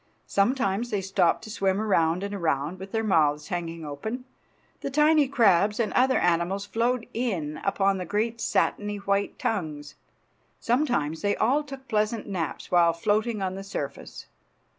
Sometimes they stopped to swim around and around with their mouths hanging open. The tiny crabs and other animals flowed in upon the great satiny white tongues. Sometimes they all took pleasant naps while floating on the surface.